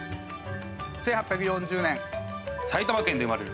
１８４０年埼玉県で生まれる。